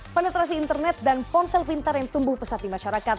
penetrasi internet dan ponsel pintar yang tumbuh pesat di masyarakat